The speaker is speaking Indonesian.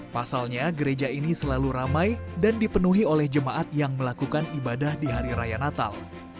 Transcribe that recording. pasalnya gereja ini selalu ramai dan dipenuhi oleh jemaat yang melakukan ibadah di hari raya natal